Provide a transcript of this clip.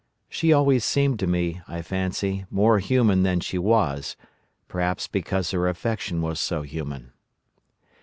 She always seemed to me, I fancy, more human than she was, perhaps because her affection was so human.